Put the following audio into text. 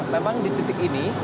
memang di titik ini